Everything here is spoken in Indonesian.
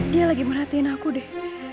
dia lagi merhatiin aku deh